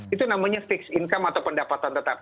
itu namanya fixed income atau pendapatan tetap